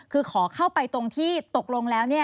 คือขอเข้าไปตรงที่ตกลงแล้ว